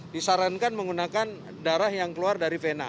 disarankan menggunakan darah yang keluar dari vena